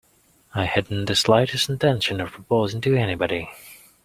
I hadn't the slightest intention of proposing to anybody.